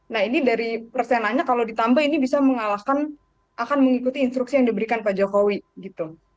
nah ini dari persenanya kalau ditambah ini bisa mengalahkan akan mengikuti instruksi yang diberikan pak jokowi gitu